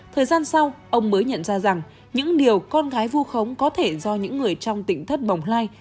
thời gian sau ông mới nhận ra rằng những điều con gái vu khống có thể do những người trong tỉnh thất bồng lai